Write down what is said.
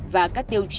và các tiêu chuẩn